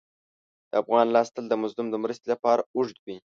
د افغان لاس تل د مظلوم د مرستې لپاره اوږد وي.